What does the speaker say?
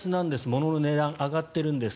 ものの値段が上がってるんです。